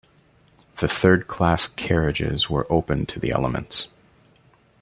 The third class carriages were open to the elements.